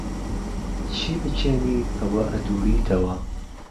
چی بچێنیت ئهوه ئهدووریتهوه